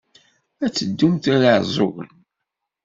Ad teddumt ar Iɛeẓẓugen?